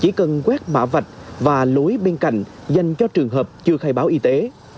chỉ cần quét mã vạch và lối bên cạnh dành cho trường hợp chưa khai báo y tế